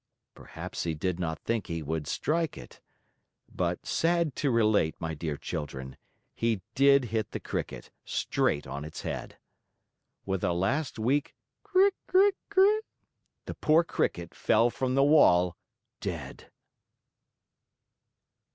Perhaps he did not think he would strike it. But, sad to relate, my dear children, he did hit the Cricket, straight on its head. With a last weak "cri cri cri" the poor Cricket fell from the wall, dead!